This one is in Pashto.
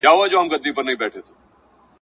پر غزل د جهاني به له ربابه نغمې اوري ,